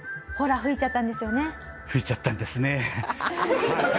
「吹いちゃったんですねぇ」。